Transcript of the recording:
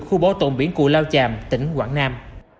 khu bố tổng biển cụ lao chàm tỉnh quảng nam